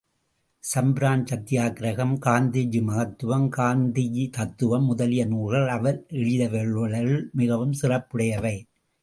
சம்பரான் சத்தியாக்கிரகம் காந்திஜீ மகத்துவம், காந்தி தத்துவம் முதலிய நூல்கள் அவர் எழுதியுள்ளவைகளில் மிகவும் சிறப்புடையவை.